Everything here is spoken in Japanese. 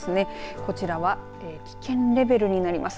こちらは危険レベルになります。